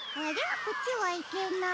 こっちはいけない。